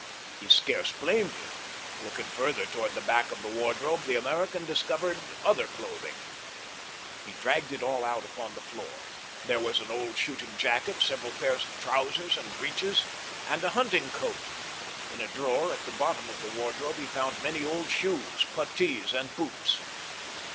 He scarce blamed him. Looking further toward the back of the wardrobe, the American discovered other clothing. He dragged it all out upon the floor. There was an old shooting jacket, several pairs of trousers and breeches, and a hunting coat. In a drawer at the bottom of the wardrobe he found many old shoes, puttees, and boots.